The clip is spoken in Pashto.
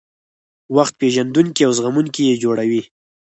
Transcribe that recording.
وخت پېژندونکي او زغموونکي یې جوړوي.